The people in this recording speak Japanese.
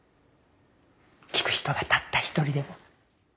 聴く人がたった一人でも。